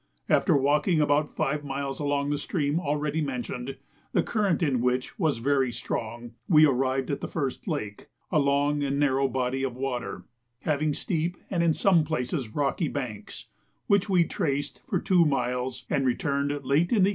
After walking about five miles along the stream already mentioned (the current in which was very strong), we arrived at the first lake, a long and narrow body of water, having steep and in some places rocky banks, which we traced for two miles, and returned late in the evening to our companions.